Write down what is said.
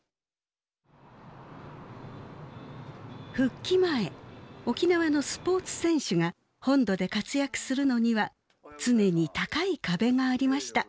復帰前沖縄のスポーツ選手が本土で活躍するのには常に高い壁がありました。